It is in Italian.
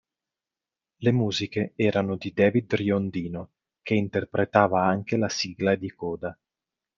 Le musiche erano di David Riondino, che interpretava anche la sigla di coda.